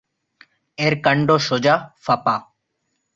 এর কাণ্ড সোজা, ফাঁপা।